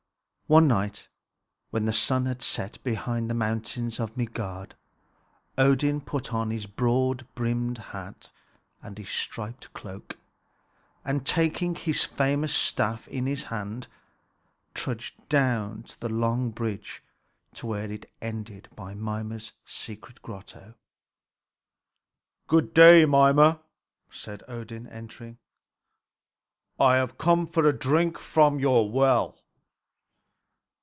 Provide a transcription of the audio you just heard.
One night, when the sun had set behind the mountains of Midgard, Odin put on his broad brimmed hat and his striped cloak, and taking his famous staff in his hand, trudged down the long bridge to where it ended by Mimer's secret grotto. "Good day, Mimer," said Odin, entering; "I have come for a drink from your well."